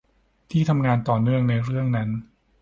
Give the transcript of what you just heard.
ที่ทำงานต่อเนื่องในเรื่องนั้น